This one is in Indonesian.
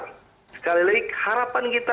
sekali lagi harapan kita